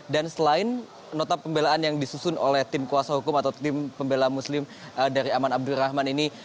dan selain nota pembelaan yang disusun oleh tim kuasa hukum atau tim pembela muslim dari aman abdurrahman ini